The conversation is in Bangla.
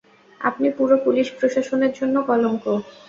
আপনি পুরো পুলিশ প্রশাসনের জন্য কলঙ্ক।